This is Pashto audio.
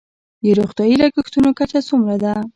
د روغتیايي لګښتونو کچه څومره ده؟